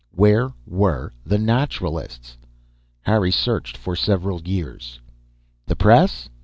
Where were the Naturalists? Harry searched for several years. _The press?